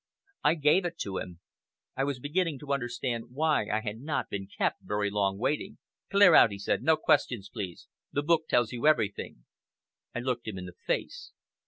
I gave it him. I was beginning to understand why I had not been kept very long waiting. "Clear out!" he said. "No questions, please. The book tells you everything!" I looked him in the face.